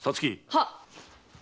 はっ！